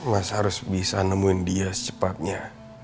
mas harus bisa nemuin dia secepatnya